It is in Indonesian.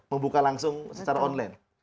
membuka langsung secara online